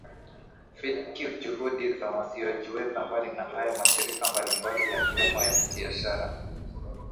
Fid Q Juhudi za Wasiojiweza Mbali na hayo mashirika mbali mbali yakiwemo ya kibiashara